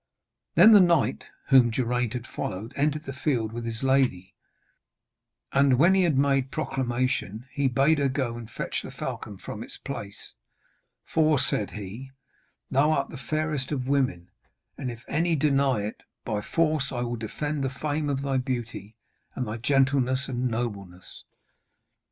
Then the knight whom Geraint had followed entered the field with his lady, and when he had made proclamation, he bade her go and fetch the falcon from its place, 'for,' said he, 'thou art the fairest of women, and, if any deny it, by force will I defend the fame of thy beauty and thy gentleness and nobleness.'